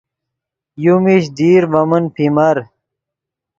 یو میش دیر ڤے من پیمر